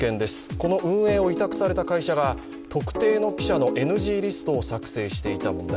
この運営を委託された会社が、特定の記者のＮＧリストを作成していた問題。